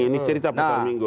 ini cerita pasar minggu